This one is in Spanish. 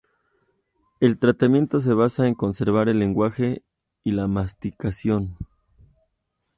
El tratamiento se basa en conservar el lenguaje y la masticación.